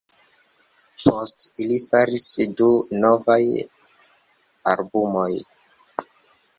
Poste ili faris du novaj albumoj.